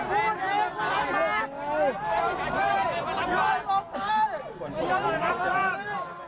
ให้มันพูดหน่อย